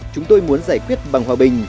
chúng tôi muốn giải quyết bằng hòa bình